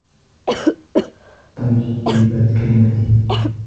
طَيِّبَ الْكَلِمَةِ